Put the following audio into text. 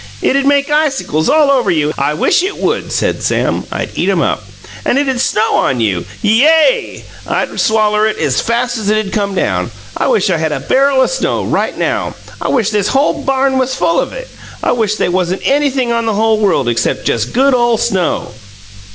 "It'd make icicles all over you, and " "I wish it would," said Sam. "I'd eat 'em up." "And it'd snow on you " "Yay! I'd swaller it as fast as it'd come down. I wish I had a BARREL o' snow right now. I wish this whole barn was full of it. I wish they wasn't anything in the whole world except just good ole snow."